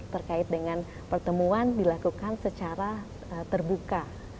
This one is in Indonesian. terkait dengan pertemuan dilakukan secara terbuka